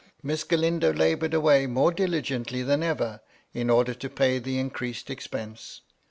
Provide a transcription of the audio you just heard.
Miss Galindo laboured away more diligently than ever, in order to pay the increased expense.